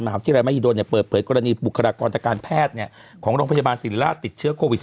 มหาวิทยาลัยมหิดลเนี่ยเปิดเผยกรณีบุคลากรตการแพทย์เนี่ยของโรงพยาบาลศิริราชติดเชื้อโควิด๑๙